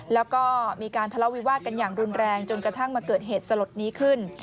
และมีการทะเลาวิวาดกันอย่างรุนแรงจนถึงเงินสลดนี้ขึ้น